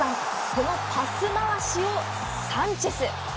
このパス回しをサンチェス。